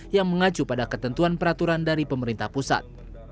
yang mengacu pada ketentuan peraturan dari pemerintah pusat